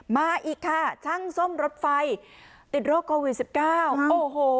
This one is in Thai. มาอีกค่ะช่างซ่อมรถไฟติดโรคโควิดสิบเก้าโอ้โห